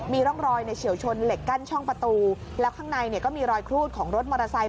มีร่องรอยในเฉียวชนเหล็กกั้นช่องประตูแล้วข้างในเนี่ยก็มีรอยครูดของรถมอเตอร์ไซค